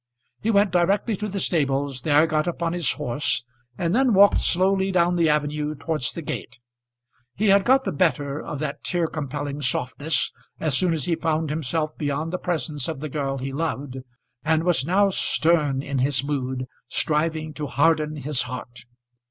He went directly to the stables, there got upon his horse, and then walked slowly down the avenue towards the gate. He had got the better of that tear compelling softness as soon as he found himself beyond the presence of the girl he loved, and was now stern in his mood, striving to harden his heart.